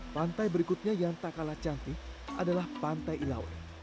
pantai berikutnya yang tak kalah cantik adalah pantai ilawan